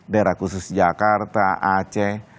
daerah khusus jakarta aceh